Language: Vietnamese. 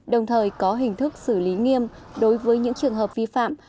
đồng thời có hình thức xử lý nghiêm đối với những trường hợp vi phạm